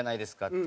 って。